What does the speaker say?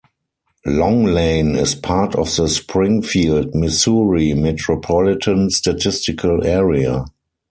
Long Lane is part of the Springfield, Missouri Metropolitan Statistical Area.